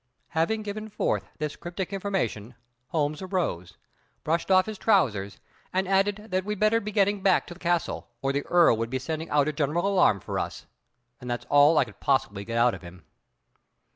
Having given forth this cryptic information, Holmes arose, brushed off his trousers, and added that we'd better be getting back to the castle, or the Earl would be sending out a general alarm for us. And that's all I could possibly get out of him.